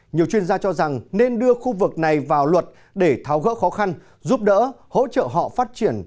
nhiều chuyên gia cho rằng nên đưa khu vực này vào luật để tháo gỡ khó khăn giúp đỡ hỗ trợ họ phát triển